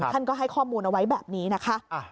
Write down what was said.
ท่านก็ให้ข้อมูลเอาไว้แบบนี้นะคะ